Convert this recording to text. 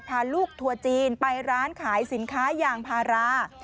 พาลูกทัวร์จีนไปร้านขายสินค้ายางพารา